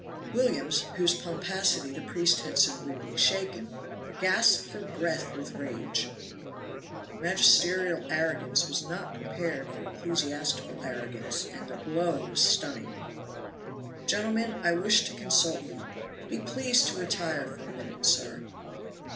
Williams, whose pomposity the priest had so rudely shaken, gasped for breath with rage. Magisterial arrogance was not prepared for ecclesiastical arrogance, and the blow was stunning. "Gentlemen, I wish to consult you. Be pleased to retire for a minute, sir."